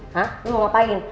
hah lu mau ngapain